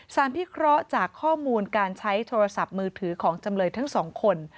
พิเคราะห์จากข้อมูลการใช้โทรศัพท์มือถือของจำเลยทั้งสองคน